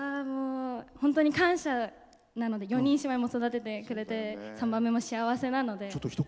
本当に感謝なので４人育ててくれて３番目も幸せなので。